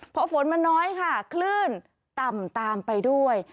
เพราะฝนมันน้อยค่ะคลื่นต่ำไปด้วย